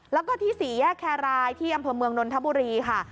แล้วก็ที่๔แยกแครรายที่อำเภอเมืองนนทบุรีค่ะ